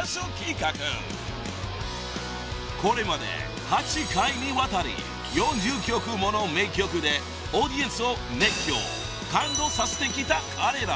［これまで８回にわたり４０曲もの名曲でオーディエンスを熱狂感動させてきた彼ら］